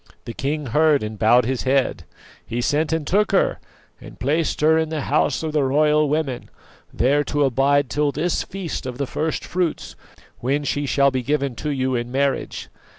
"The king heard and bowed his head; he sent and took her, and placed her in the House of the Royal Women, there to abide till this feast of the first fruits, when she shall be given to you in marriage.